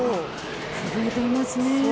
ふぶいていますね。